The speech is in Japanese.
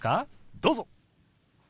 どうぞ。